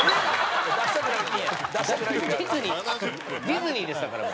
ディズニーでしたから。